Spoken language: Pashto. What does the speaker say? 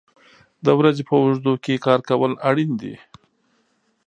د ورځې په اوږدو کې کار کول اړین دي.